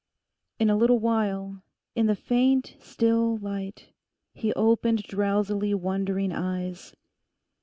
In a little while, in the faint, still light, he opened drowsily wondering eyes.